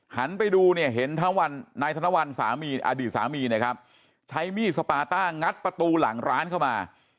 หันไปดูเห็นนายธนวรอดีตสามีใช้มีดสปาต้างัดประตูหลังร้านเข้ามา